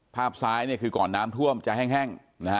ภาพซ้ายคือก่อนน้ำท่วมจะแห้งนะฮะ